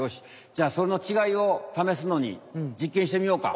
じゃそのちがいをためすのに実験してみようか。